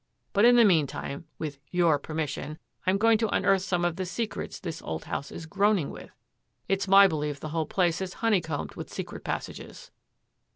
But, in the meantime, with your permission, I am going to unearth some of the secrets this old house is groaning with. It's my belief the whole place is honeycombed with secret passages."